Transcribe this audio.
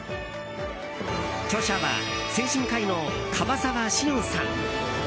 著者は精神科医の樺沢紫苑さん。